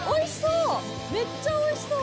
めっちゃおいしそう。